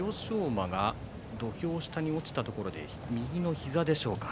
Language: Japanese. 馬が土俵下に落ちたところで右の膝でしょうか。